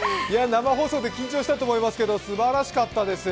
生放送で緊張したと思いますけどすばらしかったです。